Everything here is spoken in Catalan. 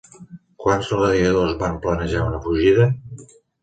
Quants gladiadors van planejar una fugida?